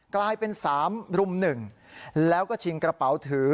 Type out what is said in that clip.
กลายเป็นสามรุ่มหนึ่งแล้วก็ชิงกระเป๋าถือ